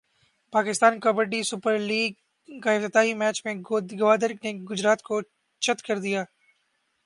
Pakistan kabaddi super لیگافتتاحی match میں گوادر نے گجرات کو چت کردیا